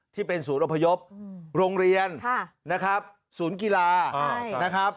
ที่เป็นศูนย์อพยพโรงเรียนนะครับศูนย์กีฬานะครับ